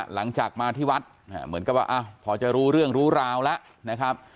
หลังจากมาที่วัดเหมือนกับว่าพอจะรู้เรื่องรู้ราวแล้วนะครับ